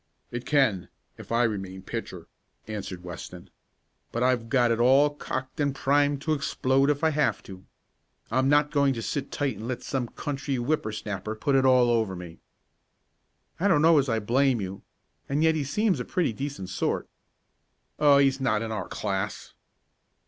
"It can if I remain pitcher," answered Weston. "But I've got it all cocked and primed to explode if I have to. I'm not going to sit tight and let some country whipper snapper put it all over me." "I don't know as I blame you and yet he seems a pretty decent sort." "Oh, he's not in our class!"